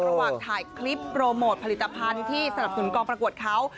ระหว่างถ่ายคลิปโปรโมทผลิตภัณฑ์ที่สนับสนุนกองประกวดเขา